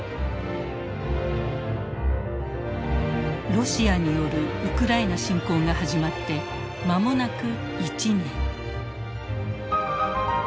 ロシアによるウクライナ侵攻が始まって間もなく１年。